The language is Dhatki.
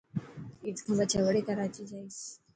عيد کان پڇي وڙي ڪراچي جائيس.